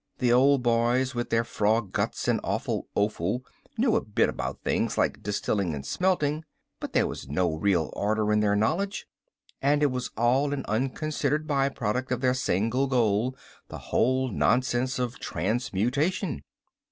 The old boys with their frog guts and awful offal knew a bit about things like distilling and smelting. But there was no real order to their knowledge, and it was all an unconsidered by product of their single goal, the whole nonsense of transmutation."